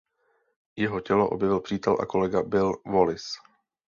Jeho tělo objevil přítel a kolega Bill Wallace.